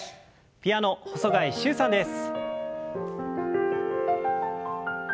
ピアノ細貝柊さんです。